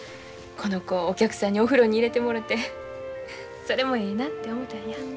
この子お客さんにお風呂に入れてもろてそれもええなて思たんや。